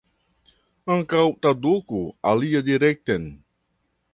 Ankaŭ traduku aliadirekten.